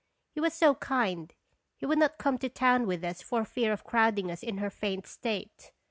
He was so kind he would not come to town with us for fear of crowding us in her faint state.